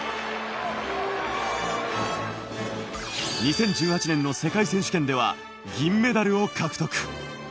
２０１８年の世界選手権では、銀メダルを獲得。